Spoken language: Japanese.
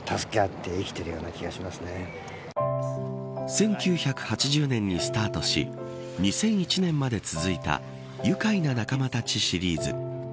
１９８０年にスタートし２００１年まで続いたゆかいな仲間たちシリーズ。